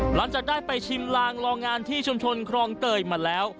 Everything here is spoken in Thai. หลังจากได้ไปชิมลางโรงงานที่ชุมชนครองเตยมาแล้ว